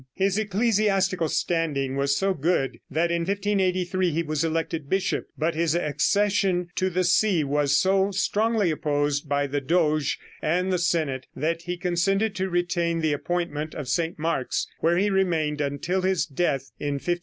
His ecclesiastical standing was so good that in 1583 he was elected bishop, but his accession to the see was so strongly opposed by the doge and the senate that he consented to retain the appointment of St. Mark's, where he remained until his death in 1590.